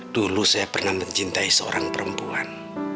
dulu saya pernah mencintai seorang perempuan